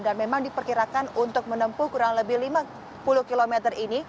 dan memang diperkirakan untuk menempuh kurang lebih lima puluh kilometer ini